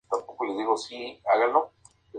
Hijo de Tomás Pellicer y María Camacho.